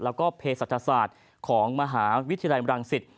และเพศรรษฐศาสตร์ของมหาวิทยาลัยมรังศิษย์